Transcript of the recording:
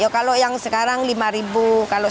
kalau yang sekarang lima ribu kalau lima puluh kg